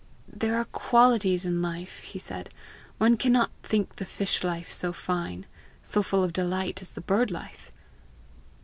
"There are qualities in life," he said. "One cannot think the fish life so fine, so full of delight as the bird life!"